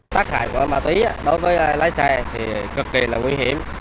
tác hại của ma túy đối với lái xe thì cực kỳ là nguy hiểm